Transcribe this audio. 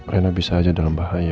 rena bisa saja dalam bahaya